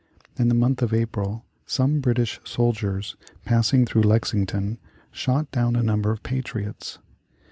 In the month of April some British soldiers passing through Lexington shot down a number of patriots.